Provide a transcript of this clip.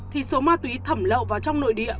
thì số ma túy thẩm lậu vào trong nội địa